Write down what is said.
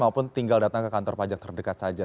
maupun tinggal datang ke kantor pajak terdekat saja